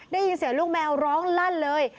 ได้ยินเสียงลูกแมวร้องลั่นเลย